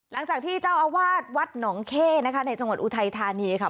หลังจากที่เจ้าอาวาสวัดหนองเข้นะคะในจังหวัดอุทัยธานีค่ะ